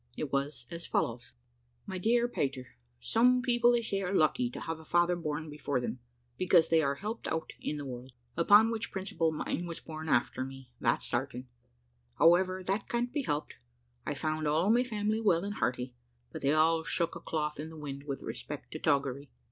It was as follows: "MY DEAR PETER, Some people, they say, are lucky to `have a father born before them,' because they are helped on in the world upon which principle, mine was born after me, that's certain; however, that can't be helped. I found all my family well and hearty: but they all shook a cloth in the wind with respect to toggery.